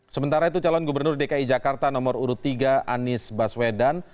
sementara itu calon gubernur dki jakarta nomor urut tiga anies baswedan